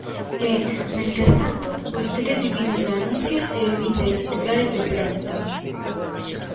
E, mentres tanto, vostedes vivindo de anuncios e vivindo de titulares de prensa.